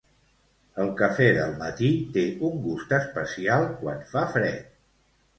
El cafè del matí té un gust especial quan fa fred.